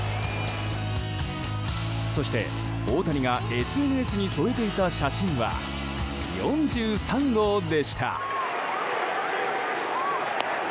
そして、大谷がＳＮＳに添えていた写真は４３号でした。